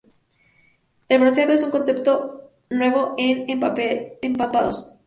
El bronceado es otro concepto nuevo en ¡Empapados!